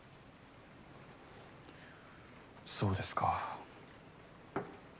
そうですか。